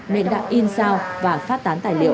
nên đã in sao và phát tán tài liệu